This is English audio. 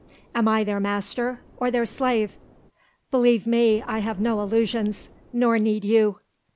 Am I their master or their slave? Believe me, I have no illusions, nor need you."